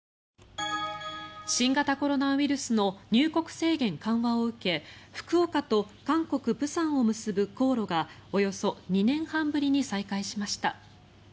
新型コロナウイルスの入国制限緩和を受け福岡と韓国・釜山を結ぶ航路がおよそ２年半ぶりに再開しました。